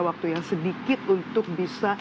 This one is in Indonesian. waktu yang sedikit untuk bisa